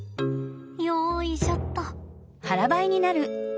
よいしょっと。